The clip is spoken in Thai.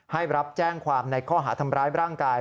รับแจ้งความในข้อหาทำร้ายร่างกาย